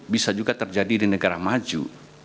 bisa juga terjadi di negara maju